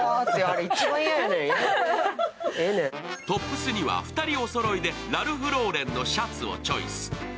トップスには２人おそろいでラルフローレンのシャツをチョイス。